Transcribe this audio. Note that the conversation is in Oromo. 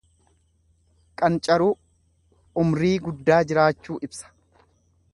Qancaruu, umrii guddaa jiraachuu ibsa.